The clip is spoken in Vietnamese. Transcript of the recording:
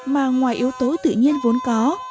mà ngoài yếu tố tự nhiên vốn có